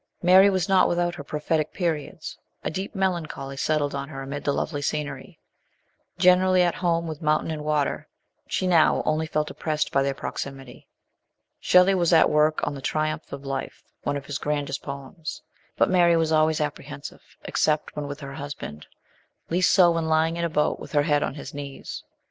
Mary was not without her prophetic periods a deep melancholy settled on her amid the lovely scenery. Generally at home with mountain and water, she now only felt oppressed by their proxi mity. Shelley was at work on the Triumph of Life, one of his grandest poems ; but Mary was always apprehensive except when with her husband, least so when lying in a boat with her head on his knees.